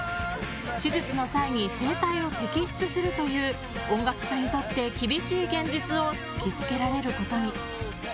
手術の際に声帯を摘出するという音楽家にとって厳しい現実を突きつけられることに。